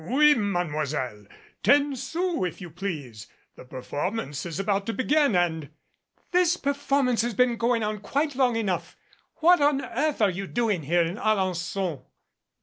"Owi, Mademoiselle, ten sous, if you please. The per formance is about to begin and " "This performance has been going on quite long enough. What on earth are you doing here in Alen9on?"